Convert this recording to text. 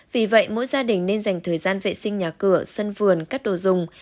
vì vậy mỗi gia đình nên dành thời gian vệ sinh nhà cửa sân vườn các đồ dùng